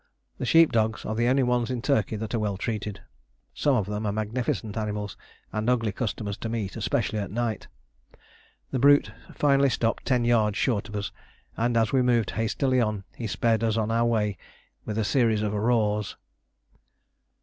The sheep dogs are the only ones in Turkey that are well treated; some of them are magnificent animals and ugly customers to meet, especially at night. The brute finally stopped ten yards short of us, and as we moved hastily on he sped us on our way with a series of roars.